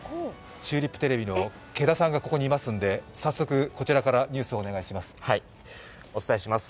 チューリップテレビの毛田さんがここにいますので、早速、こちらからニュースをお願いします。